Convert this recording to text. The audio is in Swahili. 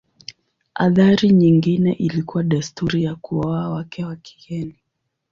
Athari nyingine ilikuwa desturi ya kuoa wake wa kigeni.